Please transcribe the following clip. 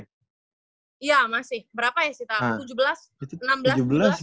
iya masih berapa ya sita